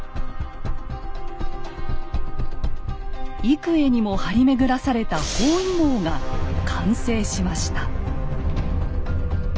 幾重にも張り巡らされた包囲網が完成しました。